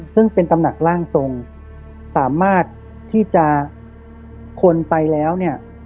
ซึ่งเป็นตำหนักร่างทรงสามารถที่จะคนไปแล้วเนี่ย